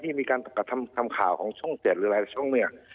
ที่มีการทำข่าวของช่องเจ็ดหรืออะไรช่องเมือง